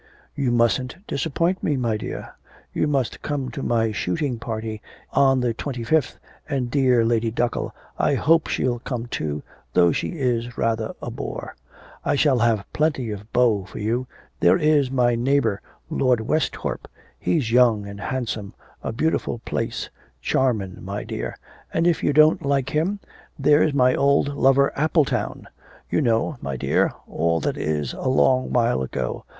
'You mustn't disappoint me, my dear; you must come to my shootin' party on the twenty fifth, and dear Lady Duckle, I hope she'll come too, though she is rather a bore. I shall have plenty of beaux for you, there is my neighbour Lord Westhorpe, he's young and handsome, a beautiful place, charmin', my dear. And if you don't like him, there's my old lover Appletown, you know, my dear, all that is a long while ago.